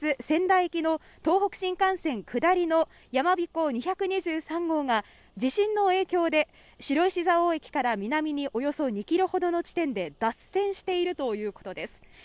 仙台行きの東北新幹線下りのやまびこ２２３号が地震の影響で白石蔵王から南におよそ２キロほどの地点で脱線してるということです。